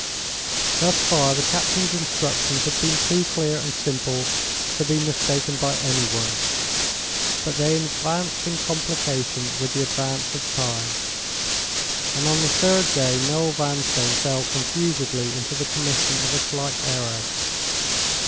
Thus far the captain's instructions had been too clear and simple to be mistaken by any one. But they advanced in complication with the advance of time, and on the third day Noel Vanstone fell confusedly into the commission of a slight error.